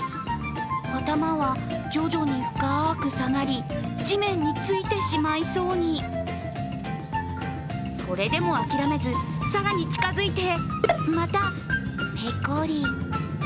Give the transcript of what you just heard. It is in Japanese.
頭は徐々に深く下がり地面についてしまいそうにそれでも諦めず更に近づいて、またペコリ。